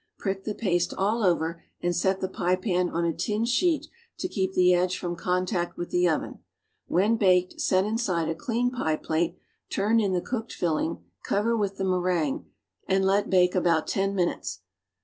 Prick the paste all over and set the pie pan on a tin sheet to keep the edge from contact with the oven. A\'hcn baked set inside a clean pie plate, turn in the cooked filling, cover with the meringue and let bake about ten nnnules.